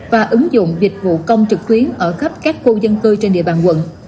và ứng dụng dịch vụ công trực tuyến ở khắp các khu dân cư trên địa bàn quận